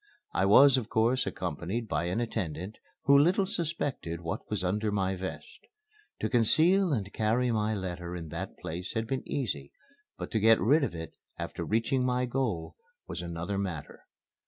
I was of course accompanied by an attendant, who little suspected what was under my vest. To conceal and carry my letter in that place had been easy; but to get rid of it after reaching my goal was another matter.